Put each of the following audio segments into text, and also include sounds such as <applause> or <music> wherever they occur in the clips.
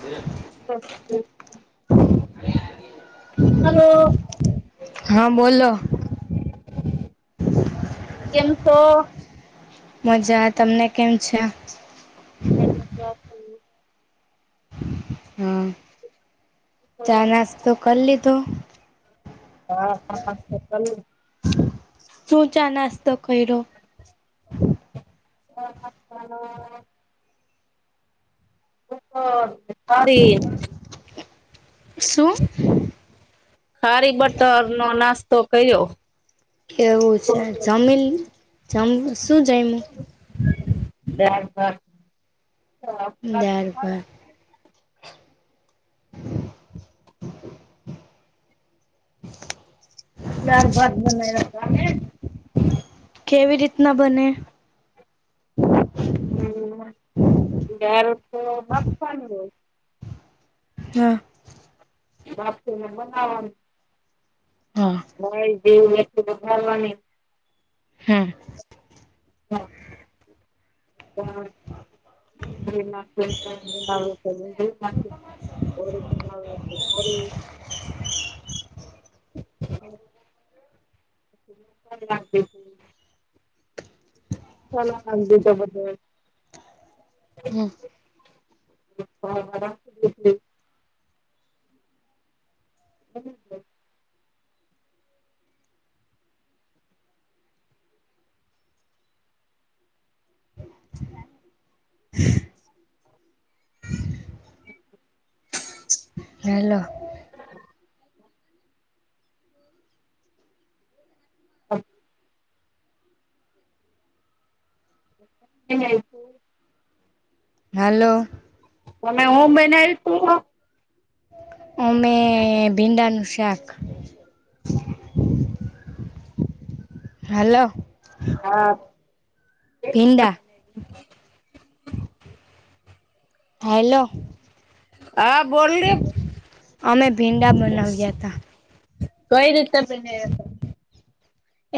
<unintelligible> Hello. હા, બોલો. કેમ છો? મજા તમને કેમ છે? <unintelligible> હા ચા નાસ્તો કર લીધો હા ચા નાસ્તો કર લીધો શું ચા નાસ્તો કયરો? ચા નાસ્તા માં <unintelligible> શું? ખારી બટરનો નાસ્તો ક્યરો એવું છે જમીલ જમ શું જયમુ <unintelligible> દાળ ભાત દાળ ભાત બનાયા તા ને કેવી રીતના બને <unintelligible> બાફવાની હોય હા <unintelligible> હા ભાઈ <unintelligible> ઘારવાની હાં <inaudible> <unintelligible> <unintelligible> <unintelligible> ચલા <unintelligible> બદલ હમ <unintelligible> <inaudible> હેલો <unintelligible> <unintelligible> હલો તમે હું બનાયુ તું અમે ભીંડાનું શાક <inaudible> હાલો હા ભીંડા <inaudible> હાલો હા બોલને અમે ભીંડા કઈ બનાવ્યા હતા. રીતે બનાયા તા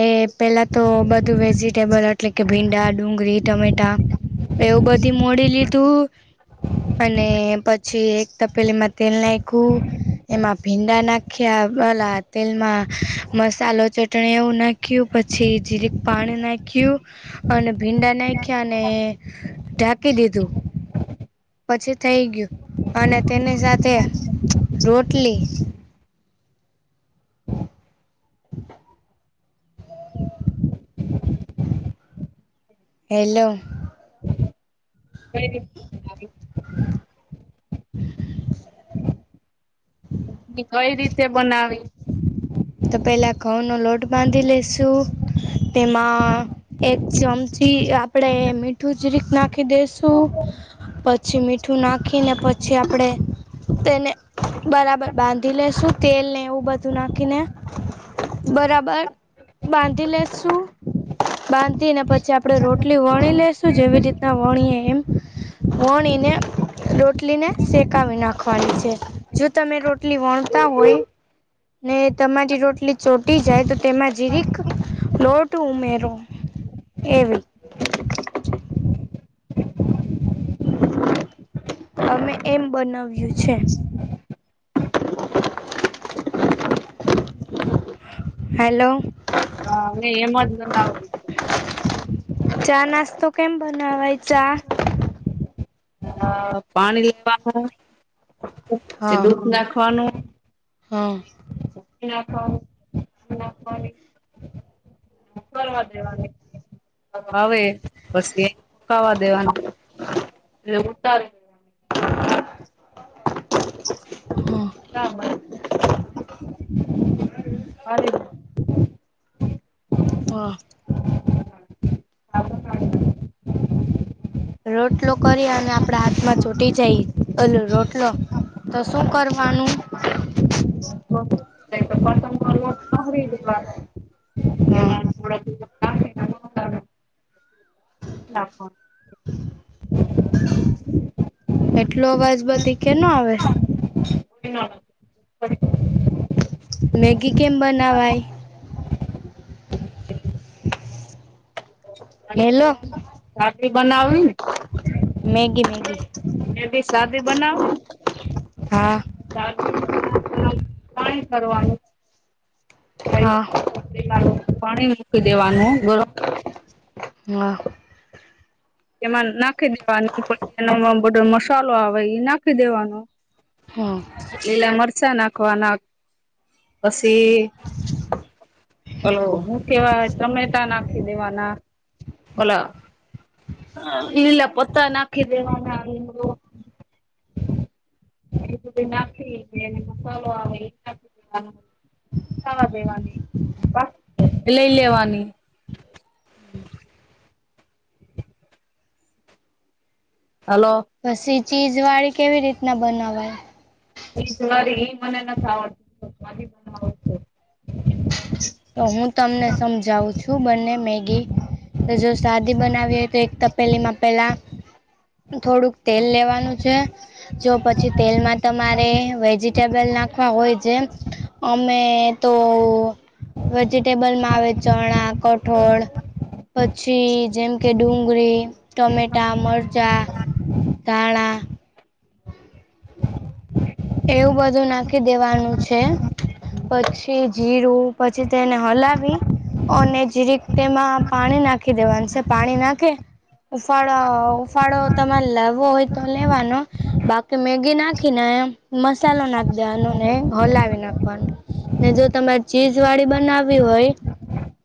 એ પેલા તો બધું વેજીિટેબલ એટલે કે ભીંડા, ડુંગરી, ટમેટા એવું બધી મોડી લીધું અને પ પછી એક તપેલી મા તેલ નાખ્યું એમાં ભીંડા નાખ્યા અલા તેલમાં મસાલો ચટણી નાખ્યું પછી જેરિક પાણી નાખ્યું અને ભીંડા નાખ્યા અને ઢાંકી દીધું પછી થઈ ગયું અને તેની સાથે રોટલી <inaudible> હેલો <inaudible> <inaudible> કઈ રીતે બનાવી? તો પેલા ઘઉં નો લોટ બાંધી લેશુ તેમાં એક ચમચી આપણેે મીઠું જરીક નાખી દેસુ. પછી મીઠું નાખીને પછી આપણે તેને બરાબર બાંધી લેશું તેલ ને એવું બધું નાખીને બરાબર બાંધી લેશું બાંધી ને પછી આપડણે રોટલી વણી લેશું જેવી રીતના વણીએ એમ વણીને રોટલી ને શેકાવી નાખવાની છે જો તમે રોટલી વણતા હોય ને તમારી રોટલી ચોટી જાય તો તેમાં જીરીક લોટ ઉમેરો એવી અમે એમ બનાવ્યું છે. હેલો હા મેં એમ જ મંગાવ્યું હતું ચા નાસ્તો કેમ બનાવાય ચા? <inaudible> પાણી લેવાનું પછી હા દુધ નાખવાનું હા. નાખવા નાખવાની કરવા દેવાની આવે પછી હુંકાવા દેવાનું એટલે ઉતારી <inaudible> હા <unintelligible> મારે બી હા. રોટલો કરી અને આપડા હાથમાં ચોટી જાય ઓલો રોટલો તો શું કરવાનું <unintelligible> પતંગ કરવો લહરી દેવાનું હા એમાંનું થોડાક દિવસો નાખો ન એટલો અવાજ બધી કેનો આવે પિનલ પરી <inaudible> મેગી કેમ બનાવાય હેલો. હાથથી બનાવી ને મેગી મેગી. એબી શાદી બનાઉ. હા. ચાર્જિંગમાં પણ પાણી કરવાનું. હા. નું પાણી મૂકી દેવાનું ગરમ. હા. એમાં નાખી દેવાનું, પછી ઓલું બધો મસાલો આવે, એ નાખી દેવાનો. હા. લીલા મરચાં નાખવાના પછી હલો, હું કેવા ટમેટા નાખી દેવાના ઓલા. હા, લીલા પતા નાખી દેવાના એતો. એક બે નાખી ને, મસાલો આવે એ નાખી દઈ. ખાવા દેવાની, બાકી લઈ લેવાની. હલો. પછી ચીઝ વાળી કેવી રીતના બનાવાય? એ સુનેરી એ મને નથી આવડતું. મારે ખાઉ. તો હું તમને સમજાવું છું, બંને મેગી જો સાદી બનાવી હોય તો, એક તપેલીમાં પેલા થોડુંક તેલ લેવાનું છે. જો પછી તેલમાં તમારે વેજીિટેબલ નાખવા હોય, જેમ અમે તો વેજિટેબલ માં આવે, ચણા કઠોળ. પછી જેમ કે ડુંગળી, ટમેટા, મરચાં. દાણા‌. <unintelligible> એવું બધું નાખી દેવાનું છે. પછી જીરું, પછી તેને હલાવી. અને જરીક તેમાં પાણી નાખી દેવાનું છે, પાણી નાખીન ફફાળો ઉફાળો તમારે લાવવો હોય, તો લેવાનો. બાકી મેગી નાખીને, મસાલો નાખી દેવાનો ને, હલાવી નાખવાનું. ને જો તમારે ચીજ વાળી બનાવવી હોય.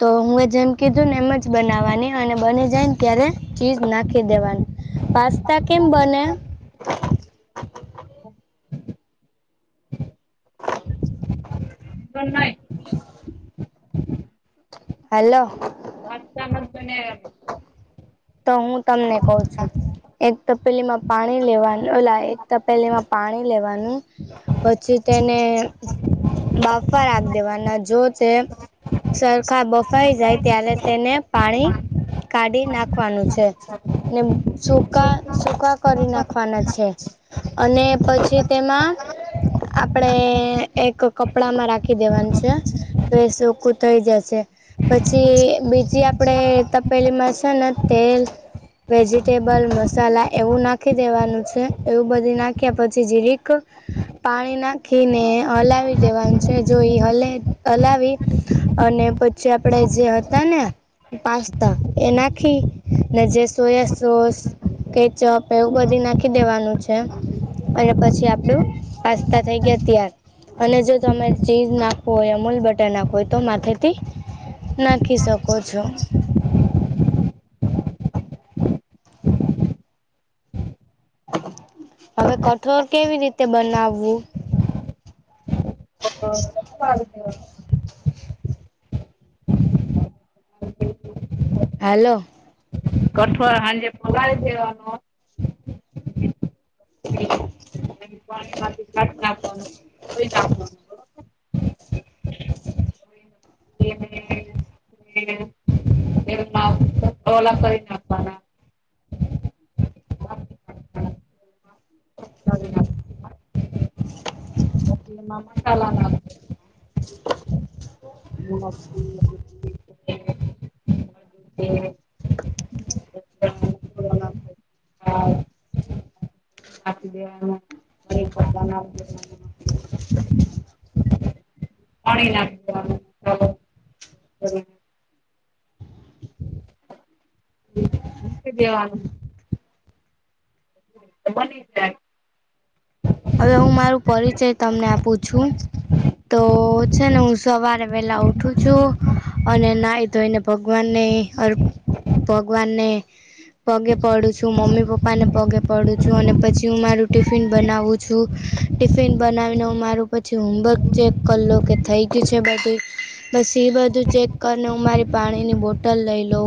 તો હું એ જેમ કીધું ને, એમ જ બનાવવાની, અને બની જાયને, ત્યારે ચીજ નાખી દેવાનું. પાસ્તા કેમ બને? પણ નહી. હલો. હ મને ગ તો હું તમને કઉ છું. એક તપેલી માં પાણી લેવાનું, એક તપેલી માં પાણી લેવાનું. પછી તેને બાફા રાખ દેવાના જો તે. સરખા બફાઈ જાય, તેને કાઢી નાખ. નાખવાનું છે ને, સૂકા-સૂકા કરી નાખવાના છે. અને પછી તેમાં. આપડે એક કપડામાં રાખી દેવાનું છે. એ સુકુ થઈ જાય છે. પછી બીજી આપડે તપેલીમાં છે ને તેલ વેજીિટેબલ મસાલા એવું નાખી દેવાનું છે એવું બધી નાખ્યા પછી જીરીક પાણી નાંખીને હલાવી દેવાનું છે જો ઈ હલે હલાવી અને પછી આપડે હતા ને પાસ્તા એ નાંખી ને જે સોયા સોસ કેચપ એવું બધી નાંખી દેવાનું છે અને પછી આપડુ પાસ્તા થઈ ગયા તૈયાર અને જો તમે ચીઝ નાંખવુ હોય અમૂલ બટર નાંખવું હોય તો માથે થી નાંખી શકો છો. હવે કઠોર કેવી રીતે બનાવવું? <unintelligible> હાલો. કઠોર હાંજે પલાળી દેવાનું એને પાણીમાંથી કાઢ નાંખવાનુ ધોઈ નાંખવાનું <unintelligible> <unintelligible> તો ઓલા ભઈ નાંખવાના <unintelligible> <unintelligible> <unintelligible> <unintelligible> <unintelligible> પાણી નાખ દેવાનુ <unintelligible> દેવાનું તો બની જાય અવે ઉં મારો પરિચય તમને આપું છું. તો છે ને ઉં સવારે વેલા ઉઠું છું અને નાઈ ધોઈને ભગવાનને અર્પ ભગવાનને પગે પડું છું મમ્મી પપ્પા ને પગે પડું છું અને પછી હું મારું ટિફિન બનાવું છું ટિફિન બનાવીને હું મારું પછી હોમવર્ક ચેક કરી લુક કે થઈ ગયુ છે બધું પછી એ બધું ચેક કરીને ઉં મારી પાણીની બોટલ લઈ લઉ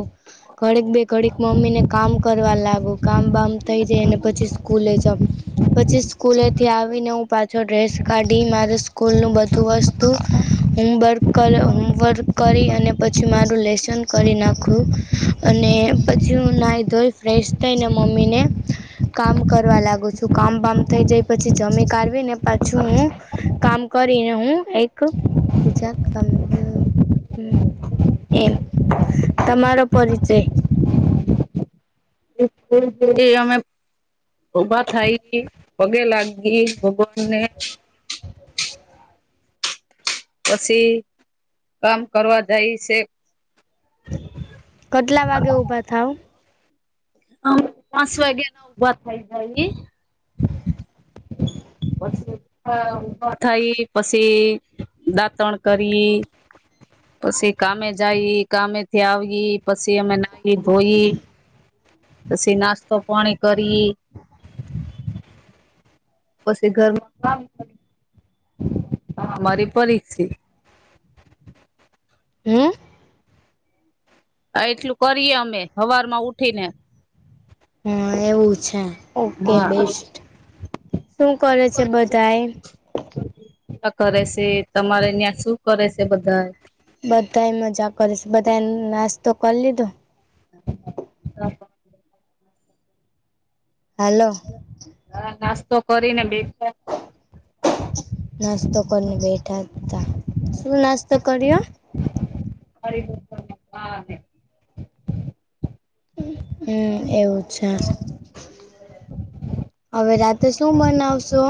ઘડીક બે ઘડીક મમ્મી ને કામ કરવા લાગુ કામ બામ થઈ જાયને પછી સ્કૂલે જાવ પછી સ કૂલેથી આવીને ઉં પાછો ડ્રેસ કાઢી મારે સ્કૂલનું બધું વસ્તુ હોમવર્ક કર હોમવર્ક કરી અને પછી મારું લેસન કરી નાંખુ. અને પછી ઉંનાહી ધોઈ ફ્રેશ થઈને મમ્મી ને કામ કરવા લાગુ છું કામ બામ થઈ જાય પછી જમી કારવી ને પાછું હું કામ કરીને હું એક બીજા કામ <unintelligible> એમ તમારો પરિચય <unintelligible> એ અમે ઊભા થાયી પગે લાગીએ ભગવતીને પસી કામ કરવા જાયે સે કટલા વાગે ઉભા થાવ? હં પાંસ વાગેના ઉભા થય જાઈએ પસી ઉભા ઉભા થાઈ પસી દાંતણ કરી. પછી કામે જાયી, કામેથી આવી પછી અમે નાહી ધોઈ. પછી નાસ્તો પોણી કરી. પછી ઘરમાં કામ. હા, મારી પરીક્ષિત. હમ. આ એટલું કરીએ, અમે હવાર માં ઉઠી ને. હમ, એવું છે, ઓકે બેસ્ટ શું કરે છે? બધા એ. કરે છે, તમારે તિયાં શું કરે છે બધા? બધા મજા કરી છે, બધા નાસ્તો કરી લીધો. <inaudible> હાલો. હા નાસ્તો કરીને, બેઠાય તો‌. નાસ્તો કરીને બેઠા હતા, શું નાસ્તો કર્યો? હર મુ હ, એવું છે. હવે રાત્રતે શું બનાવશો?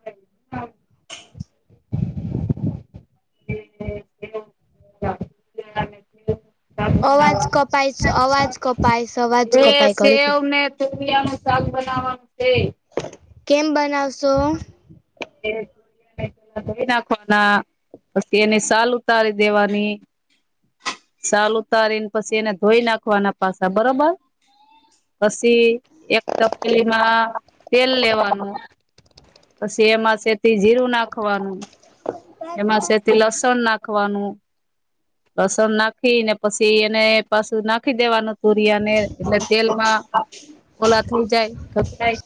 હ <unintelligible> <unintelligible> આવાજ કપઇશ આવાજ કપાએશ આવાજ કપાય ઘડી કો <unintelligible> તુરિયા નું શાક બનાવાનું છે. કેમ બનાવશો? એમ. પેલા ધોઈ નાખવાના, પછી એની શાલ ઉતારી દેવાની. સાલ ઉતારી ને, પછી એને ધોઈ નાખવાના, પાછી બરોબર. પછી એક તપેલીમાં તેલ લેવાનું. પછી એમાં સેતી જીરું નાખવાનું, એમાં સેતી લસણ નાખ ખાવાનું. લસણ નાખી ને, પછી એને પાછું નાખી દેવાનું, તુરિયાને એટલે તેલમા ઓલા થઈ જાય.